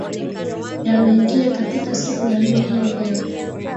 yameingia katika siku ya nne hii leo